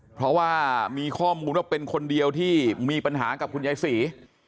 เพราะว่ามีข้อมูลว่าเป็นคนเดียวที่มีปัญหากับคุณยายศรี